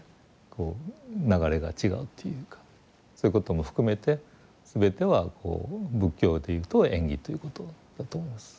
こう流れが違うというかそういうことも含めて全ては仏教で言うと縁起ということだと思います。